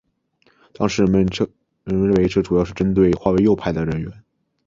当时人们认为这主要是针对划为右派的人员。